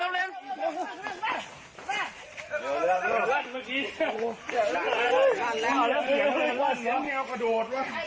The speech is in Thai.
นานแล้ว